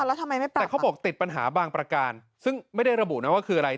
แล้วทำไมไม่ไปแต่เขาบอกติดปัญหาบางประการซึ่งไม่ได้ระบุนะว่าคืออะไร